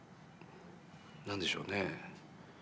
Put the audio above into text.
何でしょうね。